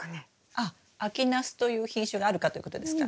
あっ秋ナスという品種があるかということですか？